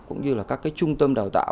cũng như các trung tâm đào tạo